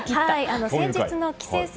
先日の棋聖戦